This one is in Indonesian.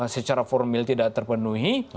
secara formil tidak terpenuhi